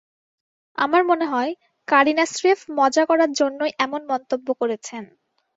আমার মনে হয়, কারিনা স্রেফ মজা করার জন্যই এমন মন্তব্য করেছেন।